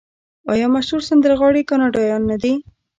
آیا مشهور سندرغاړي کاناډایان نه دي؟